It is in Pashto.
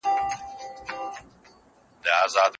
خپل هدف ته رسېدل قرباني او سخت کار غواړي.